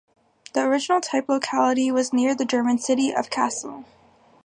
The original type locality was near the German city of Kassel.